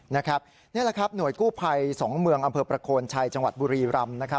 นี่แหละครับหน่วยกู้ภัย๒เมืองอำเภอประโคนชัยจังหวัดบุรีรำ